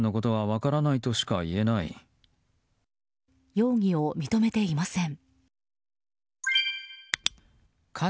容疑を認めていません。